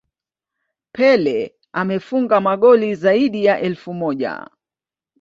Pele amefunga magoli zaidi ya elfu moja